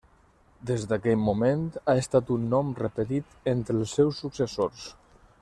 Des d'aquell moment, ha estat un nom repetit entre els seus successors.